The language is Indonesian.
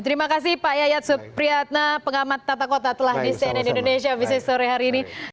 terima kasih pak yaya supriyatna pengamat tata kota telah disenai di indonesia abis sore hari ini